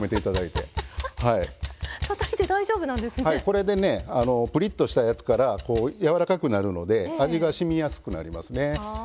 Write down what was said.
これでねプリッとしたやつから柔らかくなるので味がしみやすくなりますね。